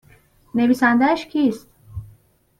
نویسندهاش کیست؟